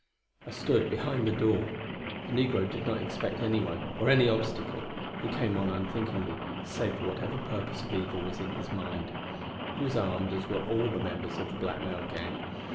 I stood behind the door. The negro did not expect anyone, or any obstacle; he came on unthinkingly, save for whatever purpose of evil was in his mind. He was armed, as were all the members of the blackmail gang.